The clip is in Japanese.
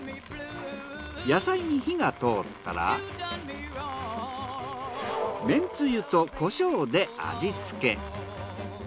野菜に火が通ったらめんつゆとコショウで味付け。